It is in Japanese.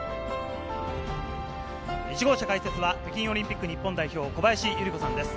１号車、解説は北京オリンピック日本代表・小林祐梨子さんです。